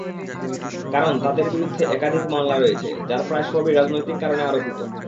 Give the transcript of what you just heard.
কারণ, তাঁদের বিরুদ্ধে একাধিক মামলা রয়েছে, যার প্রায় সবই রাজনৈতিক কারণে আরোপিত।